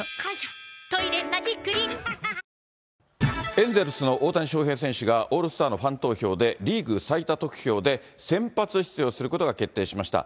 エンゼルスの大谷翔平選手がオールスターのファン投票で、リーグ最多得票で先発出場することが決定しました。